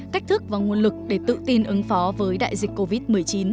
cách thức và nguồn lực để tự tin ứng phó với đại dịch covid một mươi chín